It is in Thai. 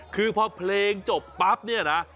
คือพอเพลงจบปั๊บเนี่ยนะ